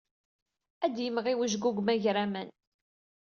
Ad d-imɣi wejgu deg umagraman!